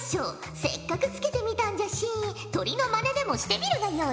せっかくつけてみたんじゃし鳥のまねでもしてみるがよい。